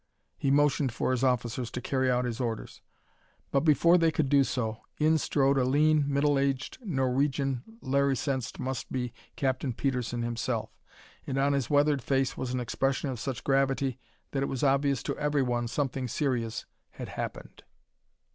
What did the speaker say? He motioned for his officers to carry out his orders. But before they could move to do so, in strode a lean, middle aged Norwegian Larry sensed must be Captain Petersen himself, and on his weathered face was an expression of such gravity that it was obvious to everyone something serious had happened.